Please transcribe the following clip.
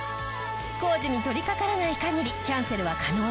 工事に取りかからない限りキャンセルは可能です。